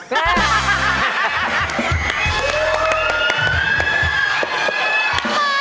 มาค่ะ